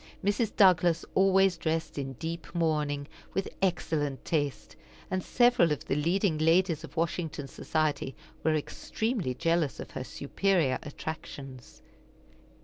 Mrs. Douglas always dressed in deep mourning, with excellent taste, and several of the leading ladies of Washington society were extremely jealous of her superior attractions.